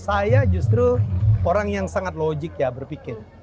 saya justru orang yang sangat logik ya berpikir